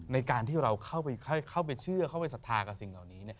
ในการที่เราเข้าไปเชื่อเข้าไปศรัทธากับสิ่งเหล่านี้